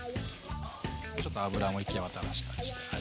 ちょっと油も行き渡らしたりして。